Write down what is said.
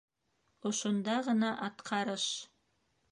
Ошонда ғына атҡарыш.